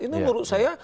itu menurut saya